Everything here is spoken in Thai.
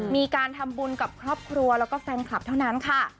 มีการทำบุญกับครอบครัวแล้วก็แฟนคลับเท่านั้นค่ะ